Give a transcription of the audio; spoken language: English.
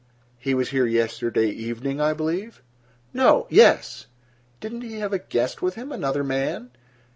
"He was here yesterday evening, I believe?" "No—yes." "Didn't he have a guest with him? Another man?"